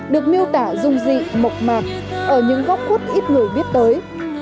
được miêu tả rung dị mộc mạc ở những góc khuất ít người viết tới